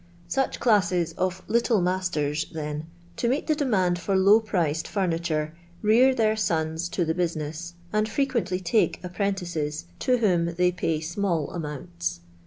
Such classes of little masters, then, to meet the demand for low priced furniture, rear their sons to the business, and fre quently take apprentices, to whom they pay small amounts.